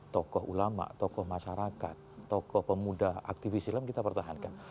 tokoh ulama tokoh masyarakat tokoh pemuda aktivis islam kita pertahankan